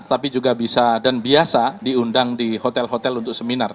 tapi juga bisa dan biasa diundang di hotel hotel untuk seminar